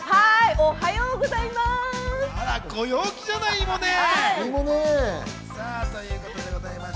おはようございます！